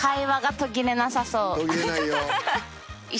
途切れないよ。